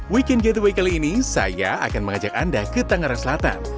weekend gateway kali ini saya akan mengajak anda ke tangerang selatan